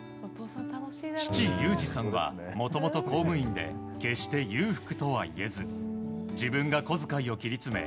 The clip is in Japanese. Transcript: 父・雄士さんはもともと公務員で決して裕福とは言えず自分がこづかいを切り詰め